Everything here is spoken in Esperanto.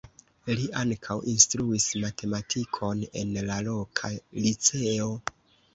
Li ankaŭ instruis matematikon en la loka liceo.